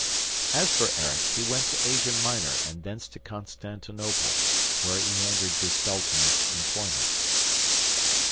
As for Erik, he went to Asia Minor and thence to Constantinople, where he entered the Sultan's employment.